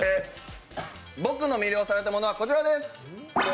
僕の魅了されたものはこちらです。